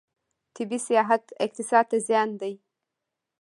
طبي سیاحت اقتصاد ته زیان دی.